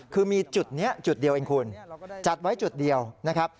คือมีจุดนี้จุดเดียวเองคุณจัดไว้จุดเดียวนะครับ